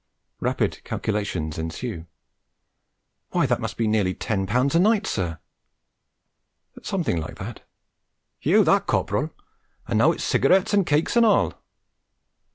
Rapid calculations ensue. 'Why, that must be nearly ten pounds a night, sir?' 'Something like that.' 'Heaw that, Corporal! An' now it's cigarettes an' cakes an' all!'